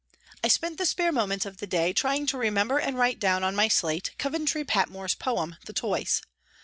I spent the spare moments of the day trying to remember and write down on my slate Coventry Patmore's poem " The Toys."